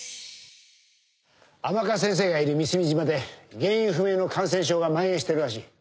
「甘春先生がいる美澄島で原因不明の感染症がまん延してるらしい」